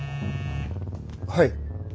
はい。